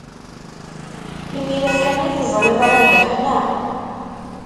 Imir-a kan ay teẓriḍ Rabaḥ, naɣ?